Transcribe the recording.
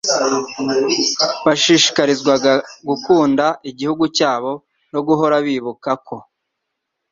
bashishikarizwaga gukunda igihugu cyabo no guhora bibuka ko